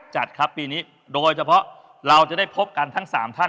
จัดครับปีนี้โดยเฉพาะเราจะได้พบกันทั้ง๓ท่าน